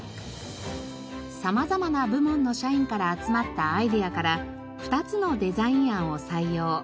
様々な部門の社員から集まったアイデアから２つのデザイン案を採用。